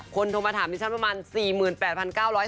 โทรมาถามดิฉันประมาณ๔๘๙๐๐บาท